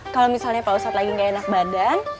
kalau misalnya pak ustadz lagi gak enak badan